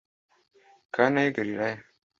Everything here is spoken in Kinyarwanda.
Kana y i galilaya